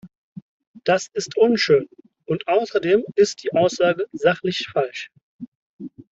Das ist unschön, und außerdem ist die Aussage sachlich falsch.